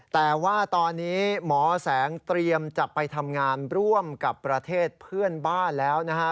แต่ว่าตอนนี้หมอแสงเตรียมจะไปทำงานร่วมกับประเทศเพื่อนบ้านแล้วนะฮะ